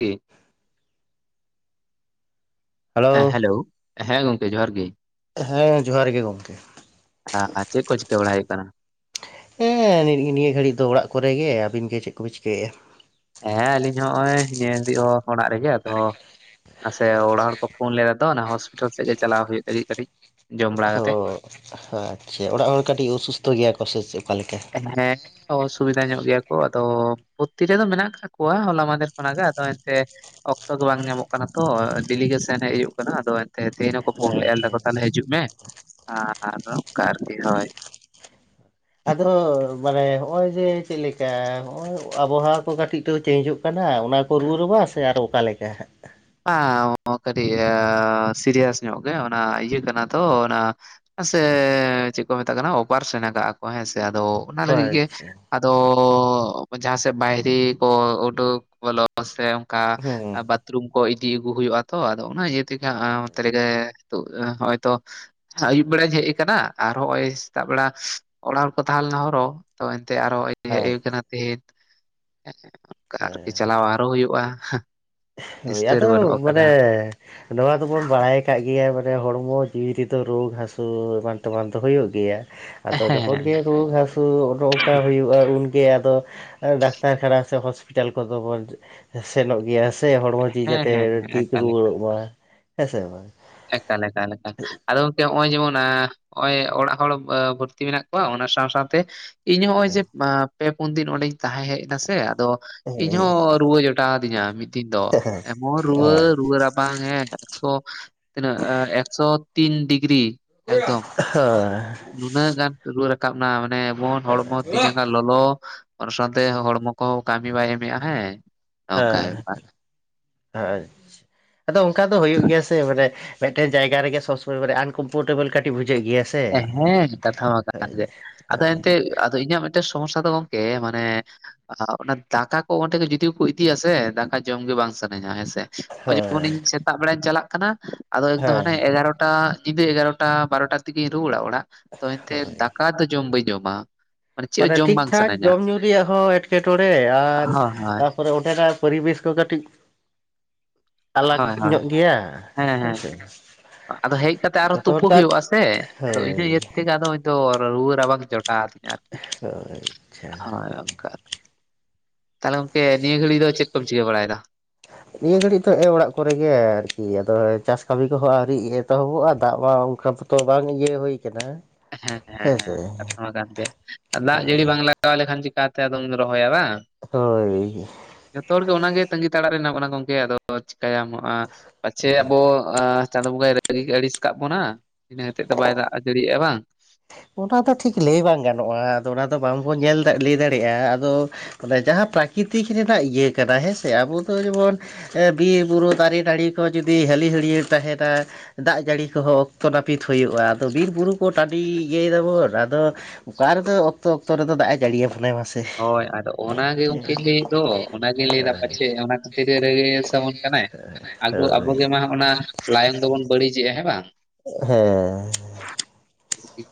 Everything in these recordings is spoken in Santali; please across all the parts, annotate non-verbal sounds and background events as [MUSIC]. ᱴᱮᱸ [INAUDIBLE] ᱦᱮᱸ ᱦᱮᱞᱳ ᱦᱮᱸ ᱜᱚᱝᱠᱮ ᱡᱚᱦᱟᱨ ᱜᱮ ᱦᱮᱸ ᱡᱚᱦᱟᱨ ᱜᱮ ᱜᱚᱝᱠᱮ ᱟᱨ ᱪᱮᱫ ᱠᱚ ᱪᱤᱠᱟᱹ ᱵᱟᱲᱟ ᱦᱩᱭᱩᱜ ᱠᱟᱱᱟ? ᱦᱮᱸ ᱱᱤᱭᱟᱹ ᱜᱷᱟᱹᱲᱤᱡ ᱫᱚ ᱚᱲᱟᱜ ᱠᱚᱨᱮ ᱜᱮ ᱟᱹᱵᱤᱱ ᱜᱮ ᱪᱮᱫ ᱠᱚᱵᱤᱱ ᱪᱤᱠᱟᱹᱭᱮᱫᱼᱟ? ᱦᱮᱸ ᱟᱹᱞᱤᱧ ᱦᱚᱸ ᱱᱚᱜᱼᱚᱭ ᱱᱤᱭᱟᱹ [UNINTELLIGIBLE] ᱦᱤᱞ ᱦᱚᱸ ᱚᱲᱟᱜ ᱨᱮᱜᱮ ᱟᱫᱚ᱾ ᱱᱟᱥᱮ ᱚᱲᱟᱜ ᱦᱚᱲ ᱠᱚ ᱯᱷᱳᱱ ᱞᱮᱫᱟ ᱛᱚ ᱚᱱᱟ ᱦᱚᱥᱯᱤᱴᱟᱞ ᱥᱮᱫ ᱜᱮ ᱪᱟᱞᱟᱣ ᱦᱩᱭᱩᱜ ᱞᱟᱹᱜᱤᱫ ᱠᱟᱹᱴᱤᱡ ᱡᱚᱢ ᱵᱟᱲᱟ ᱚᱦᱚ ᱠᱟᱛᱮᱜ ᱚ ᱟᱪᱷᱟ ᱚᱲᱟᱜ ᱦᱚᱲ ᱠᱟᱹᱴᱤᱡ ᱚᱥᱩᱥᱛᱷᱚ ᱜᱮᱭᱟ ᱠᱚ ᱥᱮ ᱪᱮ ᱚᱠᱟᱞᱮᱠᱟ? ᱦᱮᱸ ᱚᱥᱩᱵᱤᱫᱟ ᱧᱚᱜ ᱜᱮᱭᱟ ᱠᱚ ᱟᱫᱚ ᱵᱷᱚᱛᱤ ᱨᱮᱫᱚ ᱢᱮᱱᱟᱜ ᱠᱟᱜ ᱠᱚᱣᱟ ᱦᱚᱞᱟ ᱢᱟᱟᱦᱫᱷᱮᱨ ᱠᱷᱚᱱᱟᱜ ᱜᱮ ᱟᱫᱚ ᱮᱱᱛᱮ ᱚᱠᱛᱚ ᱜᱮ ᱵᱟᱝ ᱧᱟᱢᱚᱜ ᱠᱟᱱᱟ ᱛᱚ ᱰᱮᱞᱤᱜᱮᱥᱚᱱ ᱦᱮᱜ ᱦᱩᱭᱩᱜ ᱠᱟᱱᱟ ᱟᱫᱚ᱾ ᱛᱮᱦᱮᱧ ᱦᱚᱸ ᱠᱚ ᱯᱷᱳᱱ ᱞᱮ ᱟ [INAUDIBLE] ᱫᱟᱠᱚ ᱦᱮᱸ ᱛᱟᱦᱚᱞᱮ ᱦᱤᱡᱩᱜ ᱢᱮ ᱟᱨ ᱚᱱᱠᱟ ᱟᱨᱠᱤ ᱦᱳᱭ ᱟᱫᱚ ᱢᱟᱱᱮ ᱦᱚᱜᱼᱚᱭ ᱡᱮ ᱪᱮᱫᱮᱠᱟ ᱦᱚᱜᱼᱚᱭ ᱟᱵᱚᱦᱟᱣᱟ ᱠᱚ ᱠᱟᱹᱴᱤᱡ ᱛᱚ ᱪᱮᱧᱡᱚᱜ ᱠᱟᱱᱟ ᱚᱱᱟ ᱠᱚ ᱨᱩᱣᱟ ᱨᱚᱵᱟ ᱥᱮ ᱟᱨ ᱚᱠᱟᱮ ᱞᱮᱠᱟ ᱦᱟᱜ ᱦᱚ ᱠᱟᱹᱴᱤᱡ ᱥᱤᱨᱤᱭᱟᱥ ᱧᱚᱜ ᱜᱮ ᱚᱱᱟ ᱤᱭᱟᱹ ᱠᱟᱱᱟ ᱛᱚ, ᱚᱱᱟ ᱸ ᱥᱮ ᱪᱮᱫ ᱠᱚ ᱢᱮᱛᱟᱜ ᱠᱟᱱᱟ ᱚᱯᱟᱨᱮᱥᱮᱱ ᱠᱟᱜᱼᱟ ᱠᱚ ᱦᱮᱸ ᱥᱮ ᱟᱫᱚ ᱚᱱᱟ ᱞᱟᱹᱜᱤᱫ ᱜᱮ ᱟᱪᱪᱷᱟ ᱟᱫᱚ ᱡᱟᱦᱟᱸ ᱥᱮᱫ ᱵᱟᱭᱨᱤ ᱠᱚ ᱩᱰᱩᱠ ᱵᱚᱞᱚ ᱥᱮ ᱚᱱᱠᱟ ᱦᱮᱸ ᱵᱟᱛᱷᱨᱩᱢ ᱠᱚ ᱤᱫᱤ ᱟᱹᱜᱩ ᱦᱩᱭᱩᱜᱼᱟ ᱛᱚ ᱟᱫᱚ ᱚᱱᱟ ᱤᱭᱟᱹ ᱛᱮᱜᱮ ᱦᱟᱸ ᱚᱱᱚᱛ ᱨᱮᱜᱮ ᱛᱚ ᱦᱚᱳᱭᱛᱚ ᱟᱭᱩᱵ ᱵᱮᱲᱟᱧ ᱦᱮᱡ ᱟᱠᱟᱱᱟ ᱟᱨ ᱦᱚᱸᱜ ᱚᱭ ᱥᱮᱛᱟᱜ ᱵᱮᱲᱟ ᱚᱲᱟᱜ ᱨᱮᱠᱚ ᱛᱟᱦᱮᱸ ᱞᱮᱱᱟ ᱟᱨᱚ᱾ ᱛᱚ ᱮᱱᱛᱮ ᱟᱨᱚᱸ ᱦᱮᱡ ᱦᱳᱭ ᱦᱩᱭ ᱠᱟᱱᱟ ᱛᱮᱦᱤᱧ [INAUDIBLE] ᱦᱳᱭ ᱟᱨᱠᱤ ᱪᱟᱞᱟᱣ ᱟᱨᱚ ᱦᱩᱭᱩᱜᱼᱟ ᱦᱳᱭ ᱱᱤᱥᱛᱟᱹᱨ ᱟᱫᱚ ᱵᱟᱹᱱᱩᱜ ᱟᱠᱟᱫᱟ ᱢᱟᱱᱮ ᱱᱚᱣᱟ ᱫᱚᱵᱚᱱ ᱵᱟᱲᱟᱭ ᱠᱟᱜ ᱜᱮᱭᱟ ᱢᱟᱱᱮ ᱦᱚᱲᱢᱚ ᱡᱤᱣᱤ ᱨᱮᱫᱚ ᱨᱩᱣᱽ ᱦᱟᱹᱥᱩ ᱮᱢᱟᱱ ᱛᱚᱢᱟᱱ ᱫᱚ ᱦᱩᱭᱩᱜ ᱜᱮᱭᱟ ᱟᱫᱚ ᱡᱚᱠᱷᱚᱱ ᱦᱮᱸ ᱜᱮ ᱨᱩᱣᱟᱹ ᱦᱟᱹᱥᱩ ᱛᱚ ᱚᱱᱮ ᱚᱝᱠᱟ ᱦᱩᱭᱩᱜᱼᱟ ᱩᱱᱜᱮ ᱟᱫᱚ ᱰᱟᱠᱛᱟᱨ ᱠᱷᱟᱱᱟ ᱥᱮ ᱦᱚᱸᱥᱯᱤᱴᱟᱞ ᱠᱚᱫᱚ ᱵᱚᱱ ᱥᱮᱱᱚᱜ ᱜᱮᱭᱟ ᱥᱮ ᱦᱚᱲᱢᱚ ᱡᱤ ᱦᱮᱸ ᱡᱟᱛᱮ ᱦᱮᱸ ᱦᱮᱸ ᱴᱷᱤᱠ ᱮᱠᱟᱞ ᱮᱠᱟᱞ ᱨᱩᱣᱟᱹᱲᱚᱜ ᱢᱟ ᱦᱮᱸ ᱥᱮ ᱵᱟᱝ ᱮᱠᱟᱞ ᱮᱠᱟᱞ ᱮᱠᱟᱞ ᱟᱫᱚ ᱜᱚᱢᱠᱮ ᱱᱚᱜᱼᱚᱭ ᱡᱮᱢᱚᱱ ᱱᱚᱜᱼᱚᱭ ᱚᱲᱟᱜ ᱦᱚᱲ ᱵᱷᱩᱨᱛᱤ ᱢᱮᱱᱟᱜ ᱠᱚᱣᱟ ᱚᱱᱟ ᱥᱟᱶ ᱥᱟᱶᱛᱮ ᱤᱧ ᱱᱚᱜ ᱚᱭ ᱡᱮ ᱯᱮ ᱯᱩᱱ ᱫᱤᱱ ᱚᱸᱰᱮᱧ ᱛᱟᱦᱮᱸ ᱦᱮᱡ ᱮᱱᱟ ᱥᱮ ᱟᱫᱚ ᱤᱧ ᱦᱮᱸ ᱦᱚᱸ ᱨᱩᱣᱟᱹ ᱡᱚᱴᱟᱣᱟᱫᱤᱧᱟ ᱢᱤᱫ ᱫᱤᱱ ᱫᱚ ᱮᱢᱚᱱ ᱨᱩᱣᱟᱹ ᱨᱩᱣᱟᱹ ᱨᱟᱯ ᱵᱟᱝ ᱦᱮᱸ ᱮᱠᱥᱚ ᱛᱤᱱᱟᱹᱜ ᱮᱠᱥᱚ ᱛᱤᱱ ᱰᱤᱜᱽᱨᱤ ᱮᱠᱫᱚᱢ ᱦᱳᱸ ᱱᱩᱱᱟᱹᱜ ᱜᱟᱱ ᱨᱩᱟᱹ ᱨᱟᱠᱟᱵ ᱮᱱᱟ ᱢᱟᱱᱮ ᱮᱢᱚᱱ ᱦᱚᱲᱢᱚ ᱛᱤ ᱡᱟᱸᱜᱟ ᱞᱚᱞᱚ ᱚᱱᱟ ᱥᱟᱶᱛᱮ ᱦᱚᱲᱢᱚ ᱠᱚᱦᱚᱸ ᱠᱟᱹᱢᱤ ᱵᱟᱭ ᱮᱢᱮᱜᱼᱟ ᱦᱮᱸ ᱚᱱᱠᱟ ᱦᱮᱸ ᱵᱮᱯᱟᱨ ᱟᱪᱪᱷᱟ ᱟᱫᱚ ᱚᱱᱠᱟ ᱫᱚ ᱦᱩᱭᱩᱜ ᱜᱮᱭᱟ ᱥᱮ ᱢᱟᱱᱮ ᱢᱤᱫᱴᱮᱱ ᱡᱟᱭᱜᱟ ᱨᱮᱜ ᱥᱚᱵᱽᱚᱢᱚᱭ ᱢᱟᱱᱮ ᱟᱱᱠᱚᱢᱯᱷᱳᱚᱨᱴᱮᱵᱮᱞ ᱠᱟᱹᱴᱤᱡ ᱵᱩᱡᱷᱟᱹᱜ ᱜᱮᱭᱟ ᱥᱮ ᱦᱮᱸ ᱠᱟᱛᱷᱟ ᱢᱟ ᱠᱟᱱᱜᱮ ᱟᱫᱚ ᱮᱱᱛᱮ ᱟᱫᱚ ᱤᱧᱟᱹᱜ ᱢᱤᱫᱴᱮᱱ ᱥᱚᱢᱚᱥᱥᱟ ᱫᱚ ᱜᱚᱝᱠᱮ ᱢᱟᱱᱮ ᱚᱱᱟ ᱫᱟᱠᱟ ᱠᱚ ᱚᱸᱰᱮ ᱜᱮ ᱡᱩᱫᱤᱠᱚ ᱤᱫᱤᱭᱟ ᱥᱮ ᱫᱟᱠᱟ ᱡᱚᱢ ᱜᱮ ᱵᱟᱝ ᱥᱟᱱᱟᱧᱟ ᱦᱮᱸ ᱥᱮᱮ ᱚᱭ ᱦᱳᱭ ᱡᱮᱢᱚᱱᱤᱧ ᱥᱮᱛᱟᱜ ᱵᱮᱲᱟᱧ ᱪᱟᱞᱟᱜ ᱠᱟᱱᱟ ᱟᱫᱚ ᱮᱠᱫᱚᱢ ᱦᱮᱸ ᱦᱟᱱᱮ ᱮᱜᱟᱨᱚᱴᱟ ᱧᱤᱫᱟᱹ ᱮᱜᱟᱨᱚᱴᱟ ᱵᱟᱨᱚᱴᱟ ᱛᱮᱜᱤᱧ ᱨᱩᱣᱟᱹᱲᱟ ᱚᱲᱟᱜ ᱛᱚ ᱮᱱᱛᱮ ᱦᱳᱭ ᱫᱟᱠᱟ ᱫᱚ ᱡᱚᱢ ᱵᱟᱹᱧ ᱡᱚᱢᱟ ᱪᱮᱫ ᱦᱚᱸ ᱢᱟᱱᱮ ᱡᱚᱢ ᱴᱷᱤᱠ ᱵᱟᱝ ᱴᱷᱟᱠ ᱥᱟᱱᱟᱧᱟ ᱡᱚᱢ ᱧᱩ ᱨᱮᱭᱟᱜ ᱦᱚᱸ ᱮᱸᱴᱠᱮᱴᱚᱲᱮ ᱦᱳᱭ ᱦᱳᱭ ᱟᱨ ᱯᱚᱨᱮ ᱚᱸᱰᱮᱱᱟᱜ ᱯᱚᱨᱤᱵᱮᱥ ᱠᱚ ᱠᱟᱹᱴᱤᱡ ᱟᱞᱟᱜᱽ ᱦᱳᱭ ᱦᱳᱭ ᱧᱚᱜ ᱜᱮᱭᱟ ᱦᱮᱸ ᱥᱮ ᱟᱫᱚ ᱦᱮᱡ ᱠᱟᱛᱮᱜ ᱟᱨᱦᱚᱸ ᱛᱩᱯᱩ ᱦᱩᱭᱩᱜᱼᱟᱥᱮ ᱟᱫᱚ ᱤᱱᱟᱹ ᱦᱳᱭ ᱤᱭᱟᱹ ᱛᱮᱜᱮ ᱟᱫᱚ ᱨᱩᱣᱟᱹ ᱨᱟᱵᱟᱝ ᱡᱚᱴᱟᱣ ᱫᱤᱧᱟ ᱦᱳᱭ ᱟᱪᱪᱷᱟ [UNINTELLIGIBLE] ᱛᱟᱦᱚᱞᱮ ᱜᱚᱢᱠᱮ ᱱᱤᱭᱟᱹ ᱜᱷᱟᱹᱲᱤᱡ ᱫᱚ ᱪᱮᱫ ᱠᱚᱢ ᱪᱤᱠᱟᱹ ᱵᱟᱲᱟᱭᱮᱫᱟ ᱱᱤᱭᱟᱹ ᱜᱷᱟᱹᱲᱤᱡ ᱫᱚ ᱮ ᱚᱲᱟᱜ ᱠᱚᱨᱮᱜᱮ ᱟᱨᱠᱤ ᱟᱫᱚ ᱪᱟᱥ ᱠᱟᱹᱢᱤ ᱠᱚᱦᱚᱸ ᱟᱹᱣᱨᱤ ᱮᱛᱚᱦᱚᱵᱚᱜᱼᱟ ᱫᱟᱜ ᱢᱟ ᱚᱱᱠᱟ ᱛᱚ ᱵᱟᱝ ᱤᱭᱟᱹ ᱦᱩᱭ ᱟᱠᱟᱱᱟ ᱦᱮᱸ ᱦᱮᱸ ᱠᱟᱛᱷᱟ ᱢᱟ ᱠᱟᱱ ᱜᱮ ᱫᱟᱜ ᱡᱟᱹᱲᱤ ᱵᱟᱝ ᱞᱟᱜᱟᱜ ᱛᱟᱞᱮ ᱠᱷᱟᱱ ᱪᱤᱠᱟᱛᱮ ᱟᱫᱚᱢ ᱨᱚᱦᱚᱭᱟ ᱵᱟᱝ ᱦᱚᱭ ᱡᱚᱛᱚ ᱦᱚᱲ ᱜᱮ ᱚᱱᱟᱜᱮ ᱛᱟᱸᱜᱤ ᱛᱟᱲᱟᱜ ᱨᱮ ᱦᱮᱱᱟᱜ ᱵᱚᱱᱟ ᱜᱚᱝᱠᱮ ᱟᱫᱚ ᱪᱮᱤᱠᱟᱹᱭᱟᱢ ᱯᱟᱪᱮ ᱟᱵᱚ ᱪᱟᱸᱫᱩ ᱵᱚᱝᱜᱟ ᱟᱹᱲᱤ ᱟᱹᱲᱤᱥ ᱠᱟᱜ ᱵᱚᱱᱟ ᱤᱱᱟᱹ ᱦᱚᱛᱮᱡ ᱛᱮ ᱵᱟᱭ ᱫᱟᱜ ᱡᱟᱹᱲᱤᱭᱜᱼᱟ ᱵᱟᱝ ᱚᱱᱟ ᱫᱚ ᱴᱷᱤᱠ ᱞᱟᱹᱭ ᱵᱟᱝ ᱜᱟᱱᱚᱜᱼᱟ ᱟᱫᱚ ᱚᱱᱟᱫᱚ ᱵᱟᱝᱵᱚᱱ ᱧᱮᱞ ᱞᱟᱹᱭ ᱫᱟᱲᱮᱭᱟᱜᱼᱟ ᱟᱫᱚ ᱢᱟᱱᱮ ᱡᱟᱦᱟᱸ ᱯᱨᱟᱠᱨᱤᱛᱤᱠ ᱨᱮᱱᱟᱜ ᱤᱭᱟᱹ ᱠᱟᱱᱟ ᱦᱮᱸ ᱥᱮ ᱟᱵᱚ ᱫᱚ ᱡᱮᱢᱚᱱ ᱵᱤᱨᱼᱵᱩᱨᱩ ᱫᱟᱨᱮᱼ ᱱᱟᱹᱲᱤ ᱠᱚ ᱡᱩᱫᱤ ᱦᱟᱹᱞᱤᱼ ᱦᱟᱹᱲᱭᱟᱹᱲ ᱛᱟᱦᱮᱱᱟ ᱫᱟᱜ ᱡᱟᱹᱲᱤ ᱠᱚᱦᱚᱸ ᱚᱠᱛᱚ ᱱᱟᱹᱯᱤᱛ ᱦᱩᱭᱩᱜᱼᱟ ᱟᱫᱚ ᱵᱤᱨ ᱵᱩᱨᱩ ᱠᱚ ᱴᱟᱺᱰᱤ ᱤᱭᱟᱹᱭ ᱫᱟᱵᱚᱱ ᱟᱫᱚ ᱚᱠᱟᱨ ᱨᱮᱮᱫ ᱚᱠᱛᱚ ᱚᱠᱛᱚ ᱨᱮᱫᱚ ᱫᱟᱜ ᱮ ᱡᱟᱹᱲᱤᱭᱟᱵᱚᱱᱟᱭ ᱢᱟᱥᱮ ᱦᱳᱭ ᱟᱫᱚ ᱚᱱᱟᱜᱮ ᱩᱱᱠᱤᱱᱤᱱ ᱞᱟᱹᱭᱮᱫ ᱫᱚ ᱚᱱᱟᱜᱤᱧ ᱞᱟᱹᱭᱫᱟ ᱯᱟᱪᱮᱫ ᱚᱱᱟ ᱠᱷᱟᱹᱛᱤᱨ ᱨᱜᱮ ᱥᱟᱵᱚᱱ ᱠᱟᱱᱟᱭ ᱟᱫᱚ ᱦᱳᱭ ᱟᱵᱚᱜᱮ ᱢᱟ ᱚᱱᱟ ᱞᱟᱭᱮᱱ ᱫᱚᱵᱚᱱ ᱵᱟᱹᱲᱤᱡᱮᱜᱼᱟ ᱦᱮᱸ ᱵᱟᱝ ᱦᱮᱸ